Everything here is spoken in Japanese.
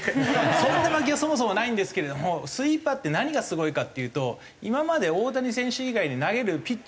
そんな魔球はそもそもないんですけれどもスイーパーって何がすごいかっていうと今まで大谷選手以外で投げるピッチャーが少なかった。